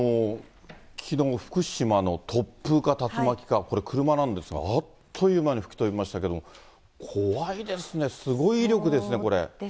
きのう、福島の突風か竜巻か、これ、車なんですが、あっという間に吹き飛びましたけれども、怖いですね、すごい威力そうですね。